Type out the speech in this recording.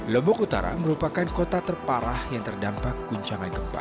lombok utara merupakan kota terparah yang terdampak guncangan gempa